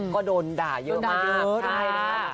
ก็โดนด่าเยอะมาก